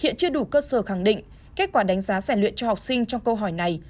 hiện chưa đủ cơ sở khẳng định kết quả đánh giá giải luyện cho học sinh trong câu hỏi này